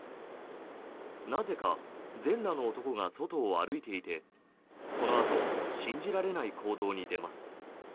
なぜか全裸の男が外を歩いていてこのあと信じられない行動に出ます。